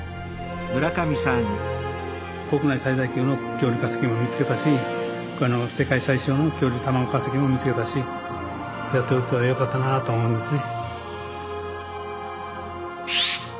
国内最大級の恐竜化石も見つけたし世界最小の恐竜卵化石も見つけたしやっておってよかったなあと思うんですね。